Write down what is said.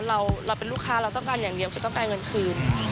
เราเป็นลูกค้าเราต้องการอย่างเดียวคือต้องการเงินคืน